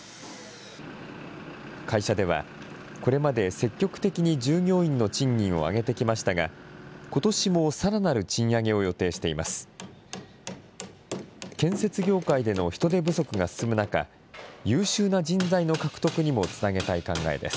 会社では、これまで積極的に従業員の賃金を上げてきましたが、ことしもさらなる賃上げを予定しています。